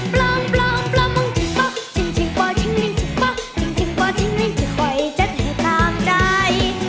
ปล่องปล่องปล่องมองจิงปะจิงจิงปอนจิงนิ่งจิงปะจิงจิงปอนจิงนิ่งจิงปะจิดคอยจัดให้ตามใจ